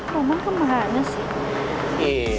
roman kemana sih